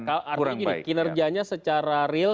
kurang baik artinya gini kinerjanya secara real